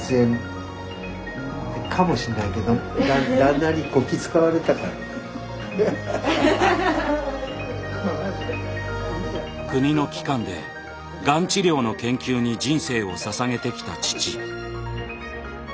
何せねっえ国の機関でがん治療の研究に人生をささげてきた父。